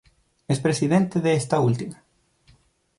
Es presidente de esta última.